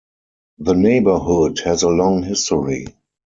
The neighbourhood has a long history.